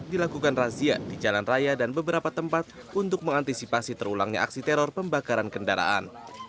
dilakukan razia di jalan raya dan beberapa tempat untuk mengantisipasi terulangnya aksi teror pembakaran kendaraan